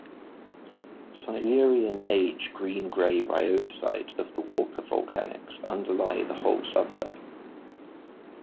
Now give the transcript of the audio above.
Silurian age Green grey rhyodacite of the Walker Volcanics underlie the whole suburb.